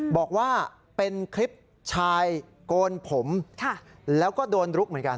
บอกว่าเป็นคลิปชายโกนผมแล้วก็โดนลุกเหมือนกัน